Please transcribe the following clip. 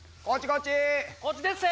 こっちでっせ！